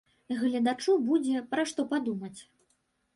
Гледачу будзе, пра што падумаць.